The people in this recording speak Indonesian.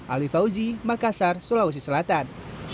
ali fauzi makassar sulawesi selatan